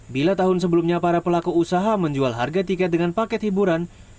bila tahun sebelumnya para pelaku usaha menjual harga tiket dengan paket hiburan